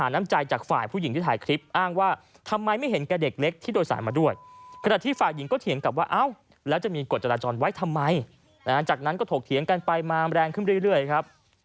นั่นสิครับมันก็ไม่ถูกอยู่แล้วนะ